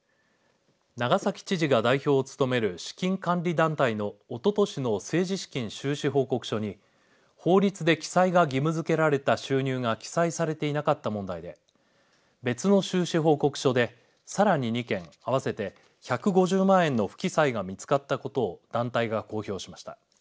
長崎知事が代表を務める資金管理団体のおととしの政治資金収支報告書に法律で記載が義務づけられた収入が記載されていなかった問題で別の収支報告書でさらに２件合わせて１５０万円の不記載が見つかったことを団体が公表しました。